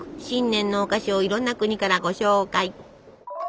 新年のお菓子をいろんな国からご紹介。